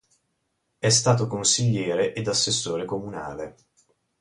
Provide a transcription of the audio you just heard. È stato consigliere ed assessore comunale.